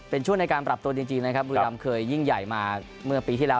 เป็นช่วงเราตาเปราะตัวจริงกริรำเคยยิ่งใหญ่มาเมื่อปีที่แล้ว